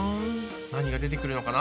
何が出てくるのかな？